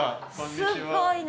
すごいな！